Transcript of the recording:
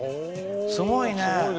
すごいね！